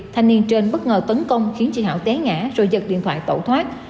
thanh niên trên bất ngờ tấn công khiến chị hảo té ngã rồi giật điện thoại tẩu thoát